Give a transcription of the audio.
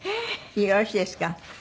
よろしいですか？